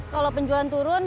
kalau penjualan turun